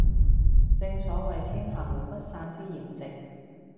正所謂天下無不散之筵席